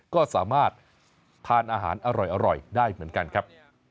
ก็สามารถทานอาหารอร่อยได้เหมือนกันครับ